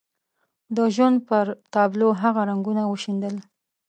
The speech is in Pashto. د ژوند پر تابلو هغه رنګونه وشيندل.